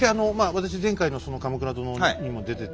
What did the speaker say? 私前回のその「鎌倉殿」にも出てて。